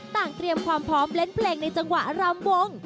เตรียมความพร้อมเล่นเพลงในจังหวะรำวง